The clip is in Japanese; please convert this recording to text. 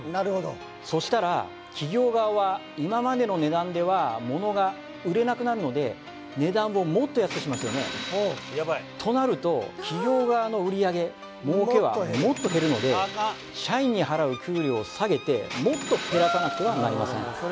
そしたら企業側は今までの値段ではモノが売れなくなるので値段をもっと安くしますよねとなると企業側の売上儲けはもっと減るので社員に払う給料を下げてもっと減らさなくてはなりません